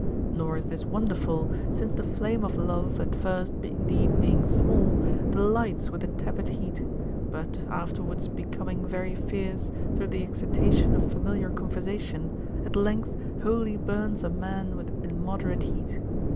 Nor is this wonderful, since the flame of love, at first, indeed, being small, delights with a tepid heat : but, afterwards becoming very fierce, through the excitation of familiar conversation, at length wholly burns a man with immoderate heat.